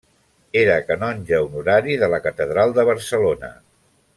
Era canonge honorari de la Catedral de Barcelona.